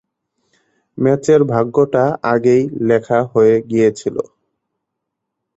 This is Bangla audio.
ম্যাচের ভাগ্যটা আগেই লেখা হয়ে গিয়েছিল।